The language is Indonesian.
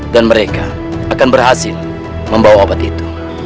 dan mereka akan berhasil membawa obat itu